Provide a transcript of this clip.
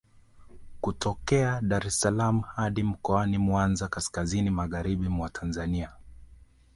Kutokea Dar es salaam hadi Mkoani Mwanza kaskazini magharibi mwa Tanzania